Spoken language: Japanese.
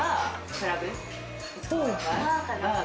クラブ？